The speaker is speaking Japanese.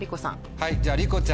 はいじゃありこちゃん。